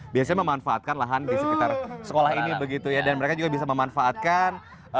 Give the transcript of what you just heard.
biasanya memanfaatkan lahan di sekitar sekolah ini begitu ya dan mereka juga bisa memanfaatkan